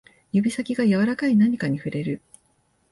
指先が柔らかい何かに触れる